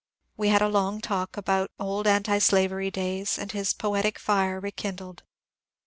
We had a long talk about old antislavery days, and his poetic fire rekindled.